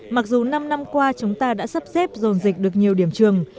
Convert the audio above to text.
mặc dù năm năm qua chúng ta đã sắp xếp dồn dịch được nhiều điểm trường